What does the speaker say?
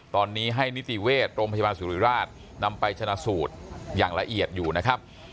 ตอนนี้ให้นิติเวชโรงพยาบาลสุริราชนำไปชนะสูตรอย่างละเอียดอยู่นะครับ